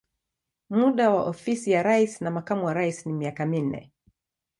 Muda wa ofisi ya rais na makamu wa rais ni miaka minne.